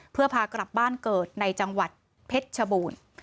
เพื่อพากลับบ้านเกิดในจังหวัดเพชรชบูรณ์